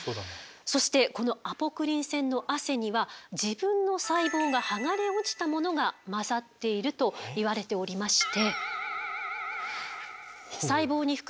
そしてこのアポクリン腺の汗には自分の細胞が剥がれ落ちたものが混ざっているといわれておりまして。